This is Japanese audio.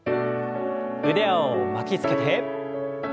腕を巻きつけて。